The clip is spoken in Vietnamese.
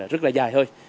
rất là dài thôi